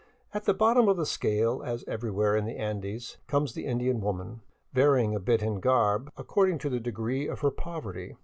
At the bottom of the scale, as everywhere in the Andes, comes the Indian woman, varying a bit in garb, according to the degree of her poverty.